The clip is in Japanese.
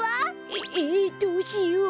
えっえどうしよう！？